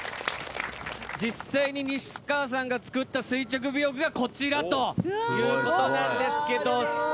実際に西川さんが作った垂直尾翼がこちらということなんですけど。